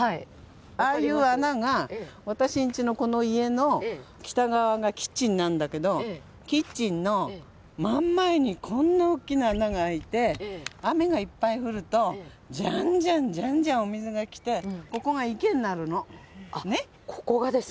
ああいう穴が、私んちのこの家の北側がキッチンなんだけど、キッチンの真ん前に、こんな大きな穴が開いて、雨がいっぱい降ると、じゃんじゃんじゃんじゃんお水が来て、ここがですか？